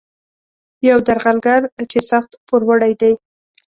یو درغلګر چې سخت پوروړی دی.